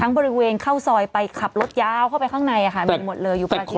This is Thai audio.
บริเวณเข้าซอยไปขับรถยาวเข้าไปข้างในมีหมดเลยอยู่ปลาจีน